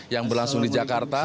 yang berlangsung di jakarta